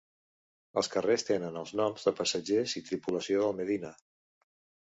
Els carrers tenen els noms de passatgers i tripulació del "Medina".